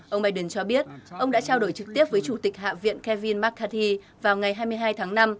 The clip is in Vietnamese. ông biden cho biết ông đã trao đổi trực tiếp với chủ tịch hạ viện kevin mccarthy vào ngày hai mươi hai tháng năm